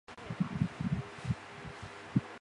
粟末靺鞨得名。